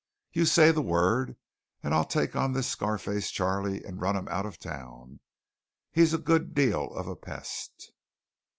You say the word and I'll take on this Scar face Charley and run him out of town. He's a good deal of a pest."